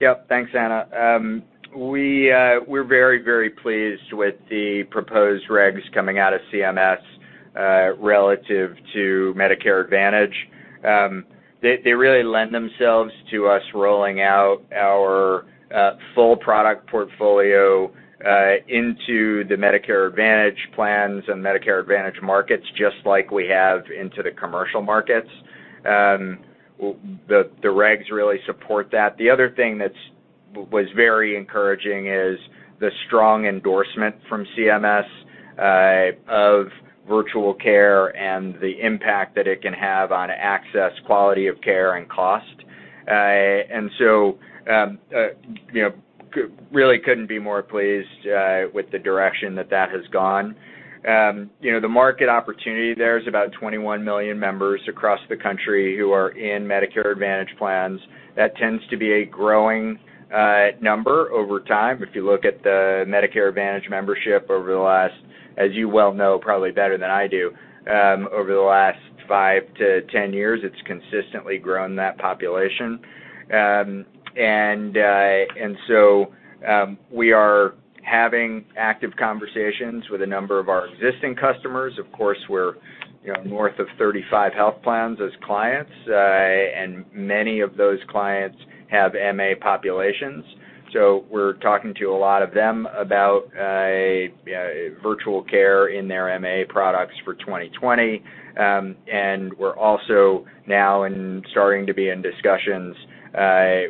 Yep. Thanks, Ana. We're very, very pleased with the proposed regs coming out of CMS relative to Medicare Advantage. They really lend themselves to us rolling out our full product portfolio into the Medicare Advantage plans and Medicare Advantage markets just like we have into the commercial markets. The regs really support that. The other thing that was very encouraging is the strong endorsement from CMS of virtual care and the impact that it can have on access, quality of care, and cost. Really couldn't be more pleased with the direction that that has gone. The market opportunity there is about 21 million members across the country who are in Medicare Advantage plans. That tends to be a growing number over time. If you look at the Medicare Advantage membership over the last, as you well know, probably better than I do, over the last 5-10 years, it's consistently grown that population. We are having active conversations with a number of our existing customers. Of course, we're north of 35 health plans as clients, and many of those clients have MA populations. We're talking to a lot of them about virtual care in their MA products for 2020. We're also now starting to be in discussions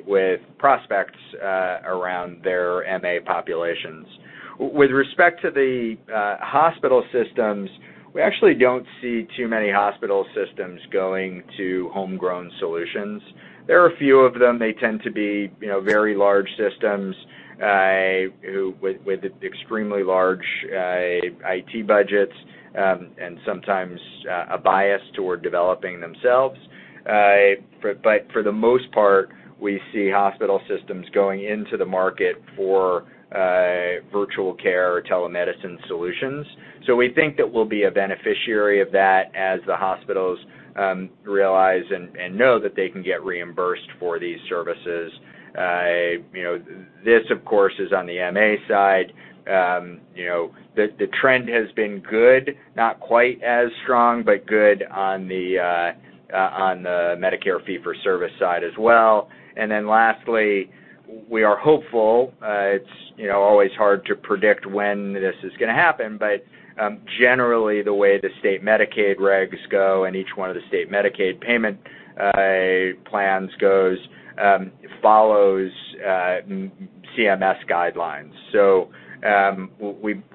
with prospects around their MA populations. With respect to the hospital systems, we actually don't see too many hospital systems going to homegrown solutions. There are a few of them. They tend to be very large systems with extremely large IT budgets and sometimes a bias toward developing themselves. For the most part, we see hospital systems going into the market for virtual care or telemedicine solutions. We think that we'll be a beneficiary of that as the hospitals realize and know that they can get reimbursed for these services. This, of course, is on the MA side. The trend has been good, not quite as strong, but good on the Medicare fee-for-service side as well. Lastly, we are hopeful. It's always hard to predict when this is going to happen. Generally, the way the state Medicaid regs go and each one of the state Medicaid payment plans goes, follows CMS guidelines.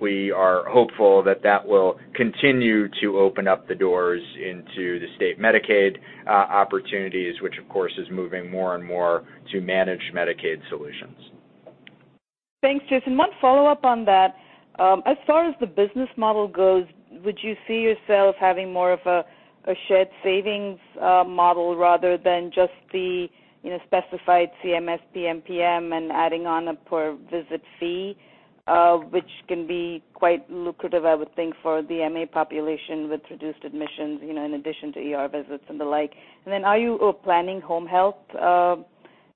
We are hopeful that that will continue to open up the doors into the state Medicaid opportunities, which of course is moving more and more to managed Medicaid solutions. Thanks, Jason. One follow-up on that. As far as the business model goes, would you see yourself having more of a shared savings model rather than just the specified CMS PMPM and adding on a per-visit fee, which can be quite lucrative, I would think, for the MA population with reduced admissions, in addition to ER visits and the like. Are you planning home health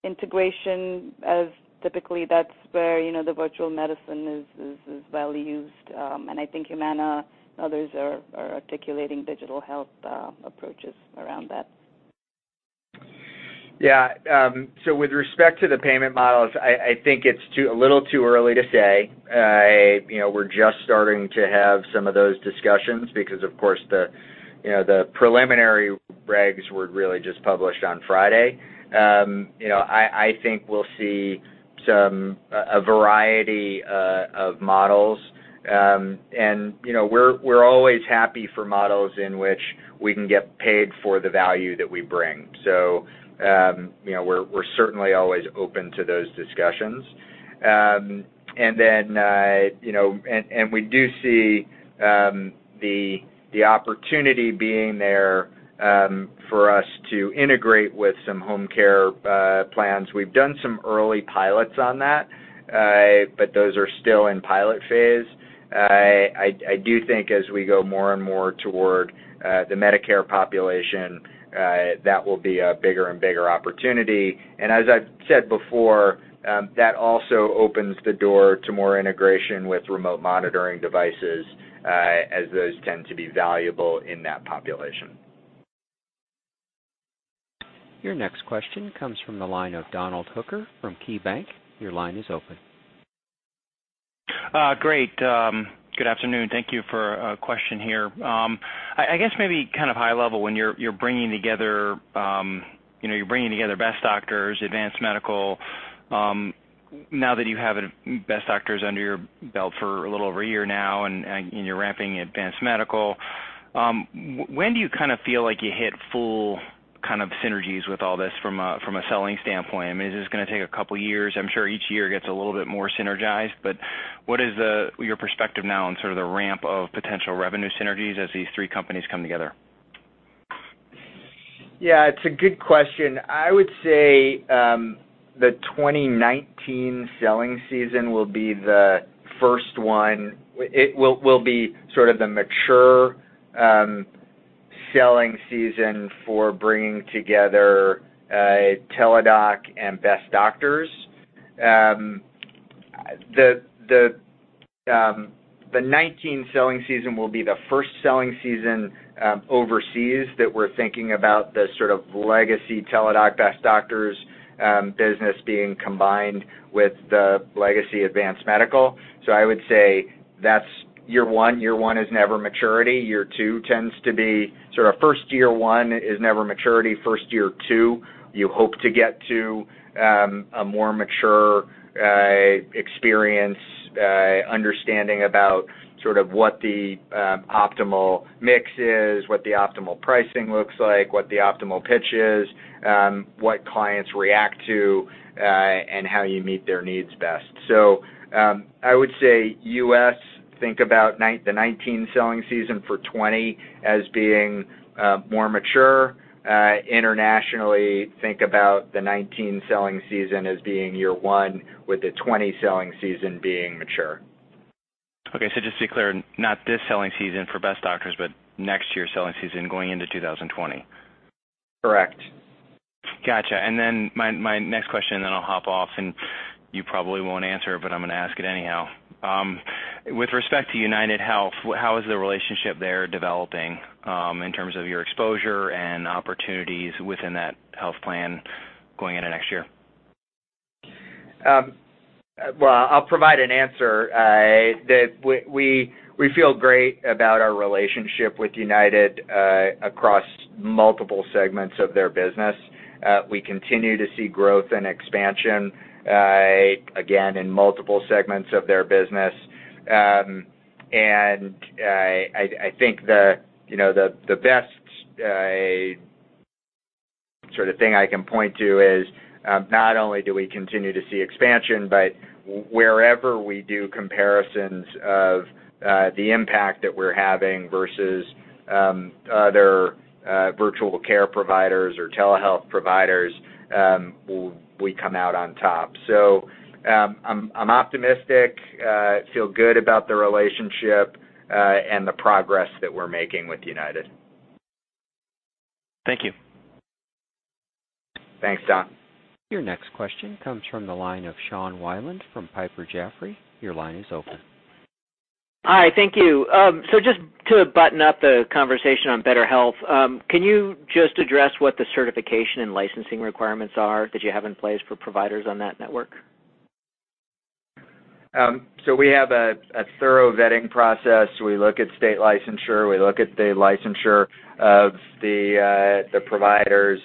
integration as typically that's where the virtual medicine is well-used, and I think Humana and others are articulating digital health approaches around that. Yeah. With respect to the payment models, I think it's a little too early to say. We're just starting to have some of those discussions because, of course, the preliminary regs were really just published on Friday. I think we'll see a variety of models. We're always happy for models in which we can get paid for the value that we bring. We're certainly always open to those discussions. We do see the opportunity being there for us to integrate with some home care plans. We've done some early pilots on that, but those are still in pilot phase. I do think as we go more and more toward the Medicare population, that will be a bigger and bigger opportunity. As I've said before, that also opens the door to more integration with remote monitoring devices, as those tend to be valuable in that population. Your next question comes from the line of Donald Hooker from KeyBank. Your line is open. Great. Good afternoon. Thank you for a question here. I guess maybe kind of high level, when you're bringing together Best Doctors, Advance Medical, now that you have Best Doctors under your belt for a little over a year now and you're ramping Advance Medical, when do you feel like you hit full synergies with all this from a selling standpoint? Is this going to take a couple of years? I'm sure each year gets a little bit more synergized, but what is your perspective now on sort of the ramp of potential revenue synergies as these three companies come together? Yeah, it's a good question. I would say, the 2019 selling season will be the first one. It will be sort of the mature selling season for bringing together Teladoc and Best Doctors. The 2019 selling season will be the first selling season overseas that we're thinking about the sort of legacy Teladoc Best Doctors business being combined with the legacy Advance Medical. I would say that's year one. Year one is never maturity. First year one is never maturity. First year two, you hope to get to a more mature experience, understanding about sort of what the optimal mix is, what the optimal pricing looks like, what the optimal pitch is, what clients react to, and how you meet their needs best. I would say U.S., think about the 2019 selling season for 2020 as being more mature. Internationally, think about the 2019 selling season as being year one, with the 2020 selling season being mature. Okay, just to be clear, not this selling season for Best Doctors, but next year's selling season going into 2020. Correct. Got you. My next question, I'll hop off, you probably won't answer it, I'm gonna ask it anyhow. With respect to UnitedHealth, how is the relationship there developing in terms of your exposure and opportunities within that health plan going into next year? Well, I'll provide an answer, that we feel great about our relationship with United across multiple segments of their business. We continue to see growth and expansion, again, in multiple segments of their business. I think the best sort of thing I can point to is, not only do we continue to see expansion, but wherever we do comparisons of the impact that we're having versus other virtual care providers or telehealth providers, we come out on top. I'm optimistic, feel good about the relationship, the progress that we're making with United. Thank you. Thanks, Don. Your next question comes from the line of Sean Wieland from Piper Jaffray. Your line is open. Hi. Thank you. Just to button up the conversation on BetterHelp, can you just address what the certification and licensing requirements are that you have in place for providers on that network? We have a thorough vetting process. We look at state licensure, we look at the licensure of the providers.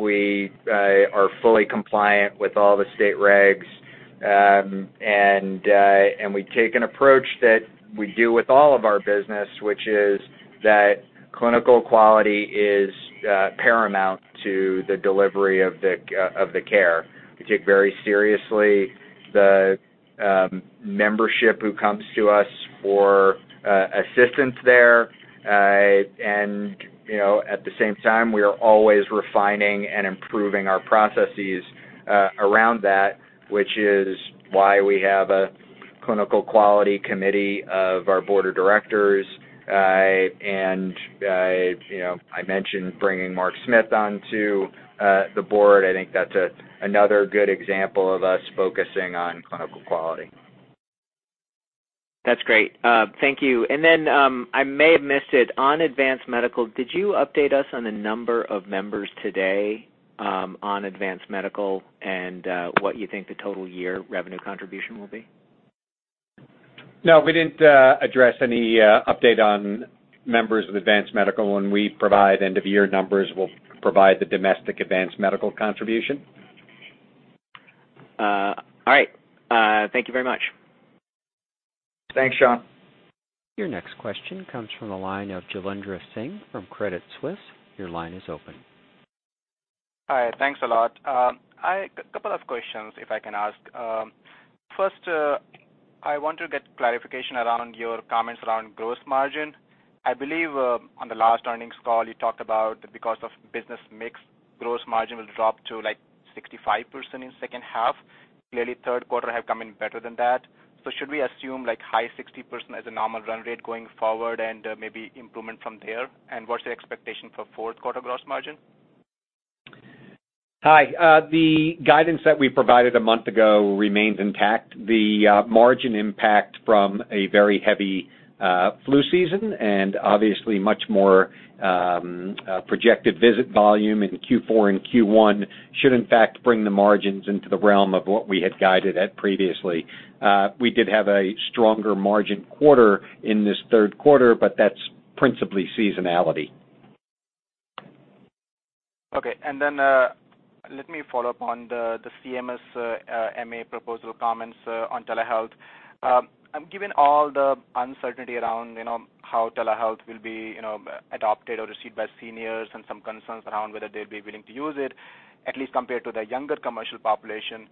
We are fully compliant with all the state regs. We take an approach that we do with all of our business, which is that clinical quality is paramount to the delivery of the care. We take very seriously the membership who comes to us for assistance there. At the same time, we are always refining and improving our processes around that, which is why we have a clinical quality committee of our board of directors. I mentioned bringing Mark Smith onto the board. I think that's another good example of us focusing on clinical quality. That's great. Thank you. I may have missed it, on Advance Medical, did you update us on the number of members today on Advance Medical and what you think the total year revenue contribution will be? No, we didn't address any update on members of Advance Medical. When we provide end-of-year numbers, we'll provide the domestic Advance Medical contribution. All right. Thank you very much. Thanks, Sean. Your next question comes from the line of Jailendra Singh from Credit Suisse. Your line is open. Hi. Thanks a lot. A couple of questions, if I can ask. First, I want to get clarification around your comments around gross margin. I believe on the last earnings call, you talked about, because of business mix, gross margin will drop to 65% in second half. Clearly, third quarter has come in better than that. Should we assume high 60% as a normal run rate going forward and maybe improvement from there? What's the expectation for fourth quarter gross margin? Hi. The guidance that we provided a month ago remains intact. The margin impact from a very heavy flu season and obviously much more projected visit volume in Q4 and Q1 should in fact bring the margins into the realm of what we had guided at previously. We did have a stronger margin quarter in this third quarter, that's principally seasonality. Okay. Let me follow up on the CMS MA proposal comments on telehealth. Given all the uncertainty around how telehealth will be adopted or received by seniors and some concerns around whether they'd be willing to use it, at least compared to the younger commercial population,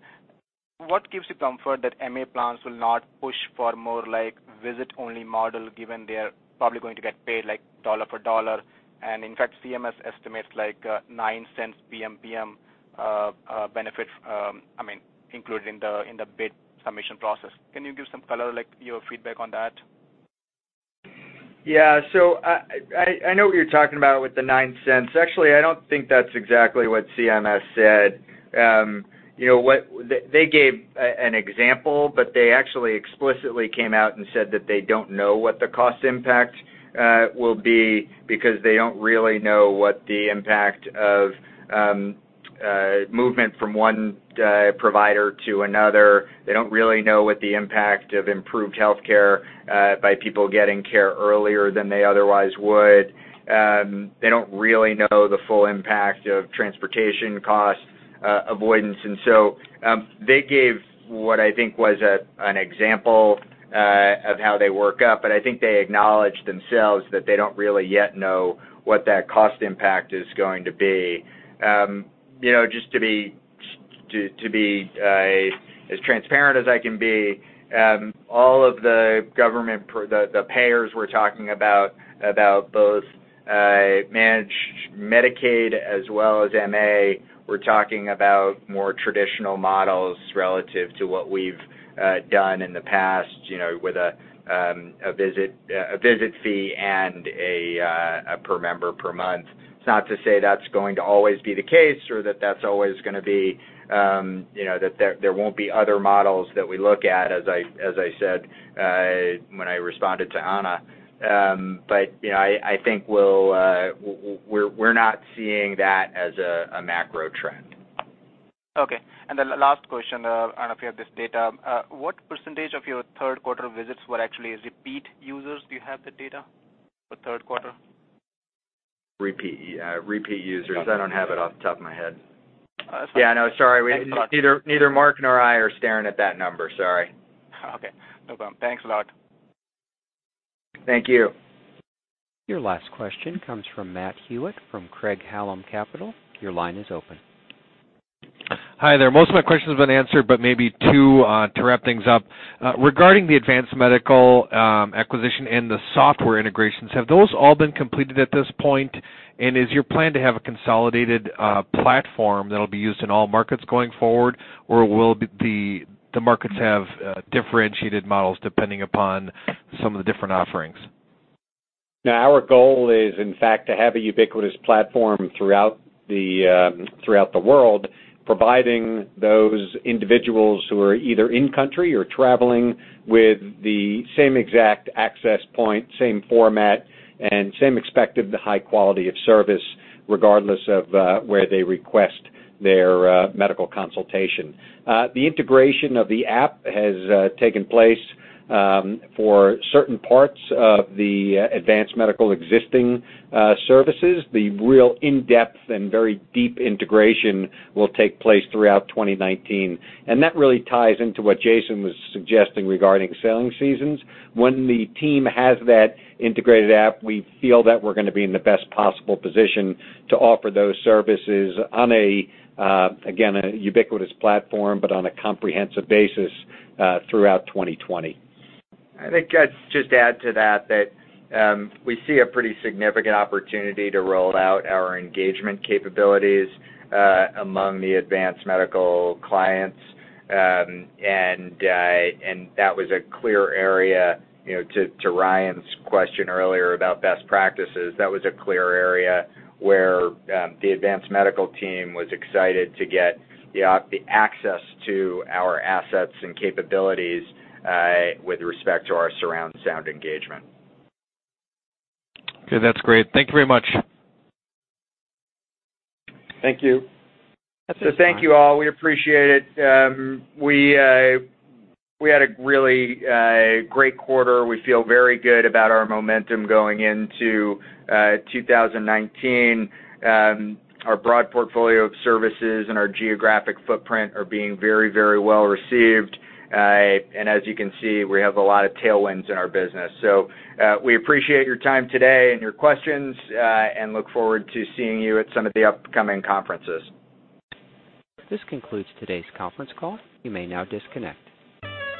what gives you comfort that MA plans will not push for more visit-only model, given they're probably going to get paid dollar for dollar? In fact, CMS estimates $0.09 PMPM benefit, included in the bid submission process. Can you give some color, like your feedback on that? Yeah. I know what you're talking about with the $0.09. Actually, I don't think that's exactly what CMS said. They gave an example, but they actually explicitly came out and said that they don't know what the cost impact will be because they don't really know what the impact of movement from one provider to another. They don't really know what the impact of improved healthcare by people getting care earlier than they otherwise would. They don't really know the full impact of transportation cost avoidance. They gave what I think was an example of how they work up, but I think they acknowledged themselves that they don't really yet know what that cost impact is going to be. Just to be as transparent as I can be, all of the payers we're talking about, both managed Medicaid as well as MA, we're talking about more traditional models relative to what we've done in the past, with a visit fee and a, per member per month. It's not to say that's going to always be the case or that there won't be other models that we look at, as I said when I responded to Ana. I think we're not seeing that as a macro trend. Okay. Last question, and if you have this data, what percentage of your third quarter visits were actually repeat users? Do you have the data for third quarter? Repeat users. I don't have it off the top of my head. That's fine. Yeah, I know. Sorry. Thanks a lot. Neither Mark nor I are staring at that number. Sorry. Okay. No problem. Thanks a lot. Thank you. Your last question comes from Matthew Hewitt from Craig-Hallum Capital. Your line is open. Hi there. Most of my questions have been answered, but maybe two to wrap things up. Regarding the Advance Medical acquisition and the software integrations, have those all been completed at this point? Is your plan to have a consolidated platform that'll be used in all markets going forward, or will the markets have differentiated models depending upon some of the different offerings? Our goal is, in fact, to have a ubiquitous platform throughout the world, providing those individuals who are either in country or traveling with the same exact access point, same format, and same expected high quality of service, regardless of where they request their medical consultation. The integration of the app has taken place for certain parts of the Advance Medical existing services. The real in-depth and very deep integration will take place throughout 2019. That really ties into what Jason was suggesting regarding selling seasons. When the team has that integrated app, we feel that we're going to be in the best possible position to offer those services on a, again, ubiquitous platform, but on a comprehensive basis, throughout 2020. I think I'd just add to that we see a pretty significant opportunity to roll out our engagement capabilities among the Advance Medical clients. That was a clear area, to Ryan's question earlier about best practices, that was a clear area where the Advance Medical team was excited to get the access to our assets and capabilities with respect to our surround sound engagement. Okay, that's great. Thank you very much. Thank you. That's it. Thank you all. We appreciate it. We had a really great quarter. We feel very good about our momentum going into 2019. Our broad portfolio of services and our geographic footprint are being very well received. As you can see, we have a lot of tailwinds in our business. We appreciate your time today and your questions, and look forward to seeing you at some of the upcoming conferences. This concludes today's conference call. You may now disconnect.